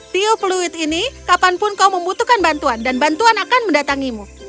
tiu pluit ini kapanpun kau membutuhkan bantuan dan bantuan akan mendatangimu